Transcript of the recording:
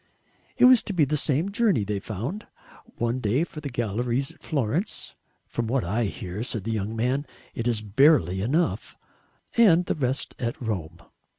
It was to be the same journey, they found; one day for the galleries at Florence "from what I hear," said the young man, "it is barely enough," and the rest at Rome.